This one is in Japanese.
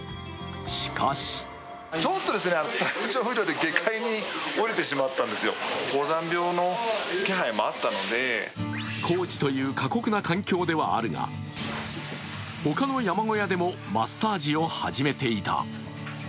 しかし高地という過酷な環境ではあるが他の山小屋でもマッサージを始めていた。